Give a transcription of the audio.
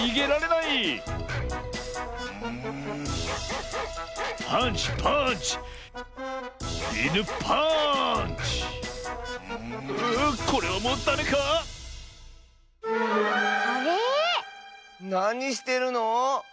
なにしてるの⁉